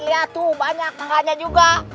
lihat tuh banyak makanya juga